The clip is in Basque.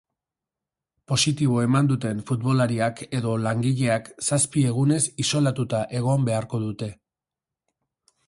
Positibo eman duten futbolariak edo langileak zazpi egunez isolatuta egon beharko dute.